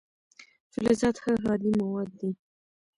فلزات ښه هادي مواد دي.